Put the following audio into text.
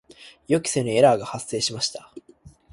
予期せぬエラーが発生しました。